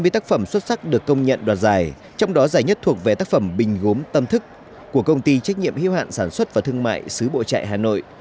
ba mươi tác phẩm xuất sắc được công nhận đoạt giải trong đó giải nhất thuộc về tác phẩm bình gốm tâm thức của công ty trách nhiệm hưu hạn sản xuất và thương mại xứ bộ trại hà nội